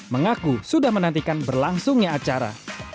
mengaku sudah menantikan berlangsungnya acara